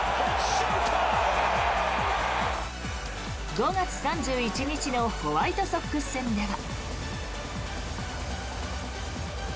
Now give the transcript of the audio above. ５月３１日のホワイトソックス戦では。